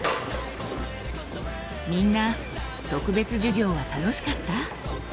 みんな特別授業は楽しかった？